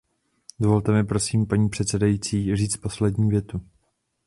Dovolte mi, prosím, paní předsedající, říci poslední větu.